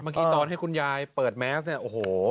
เมื่อกี้ตอนให้คุณยายเปิดแมสเนี่ยโอ้โห